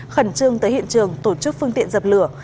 khẩn trương tới hiện trường tổ chức phương tiện dập lửa